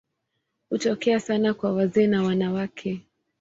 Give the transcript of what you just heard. Hutokea sana kwa wazee na wanawake.